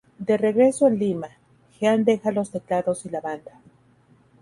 De regreso en Lima, Jean deja los teclados y la banda.